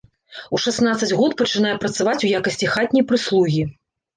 У шаснаццаць год пачынае працаваць у якасці хатняй прыслугі.